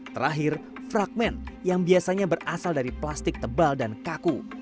terakhir fragment yang biasanya berasal dari plastik tebal dan kaku